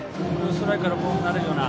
ストライクからボールになるような。